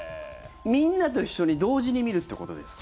みんなと一緒に同時に見るということですか？